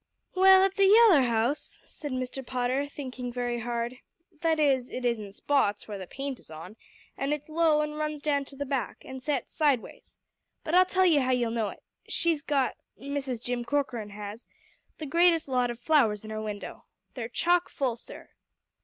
"Well, it's a yellow house," said Mr. Potter, thinking very hard, "that is, it is in spots, where the paint is on; and it's low, and runs down to the back, and sets sideways. But I tell you how you'll know it. She's got Mrs. Jim Corcoran has the greatest lot of flowers in her window. They're chock full, sir."